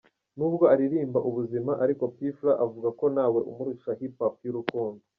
Nubwo aririmba ubuzima ariko, P Fla avuga ko ntawe umurusha Hip Hop y’urukundo.